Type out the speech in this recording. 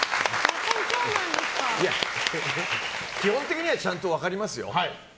基本的にはちゃんと分かりますよ。